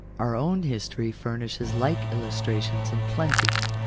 Our own history furnishes like illustrations in plenty.